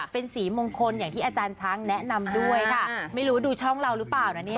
เป็นสีมงคลอย่างที่อาจารย์ช้างแนะนำด้วยค่ะไม่รู้ดูช่องเราหรือเปล่านะเนี่ย